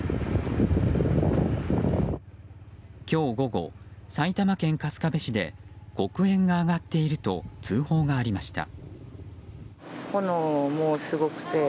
今日午後、埼玉県春日部市で黒煙が上がっていると通報がありました。